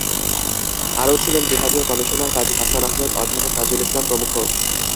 আরও ছিলেন বিভাগীয় কমিশনার কাজী হাসান আহমেদ, অধ্যাপক তাজুল ইসলাম প্রমুখ।